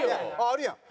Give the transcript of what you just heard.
あるやん。